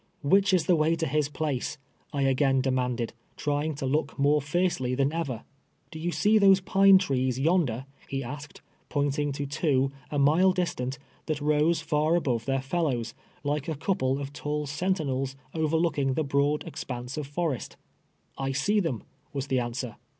" Which is the way to his place 'i " I again demand ed, trying to look more fiercely than ever. "Do you see those pine trees yonder?" he asked, pointing to two, a mile distant, that rose far above their fellows, like a couple of tall sentinels, overlook ing the broad expanse of forest. " I see them," was the answer.